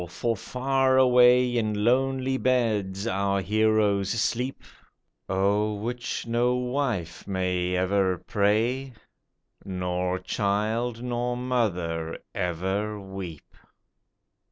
for far away In lonely beds our heroes sleep, O'er which no wife may ever pray. Nor child nor mother ever weep.